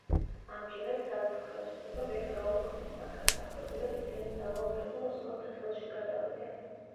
ამჯერად სამეფო ხელისუფლება ვერ გააუქმეს, მაგრამ, ფაქტობრივად, მთელი ძალაუფლება ოსმალთა ხელში გადავიდა.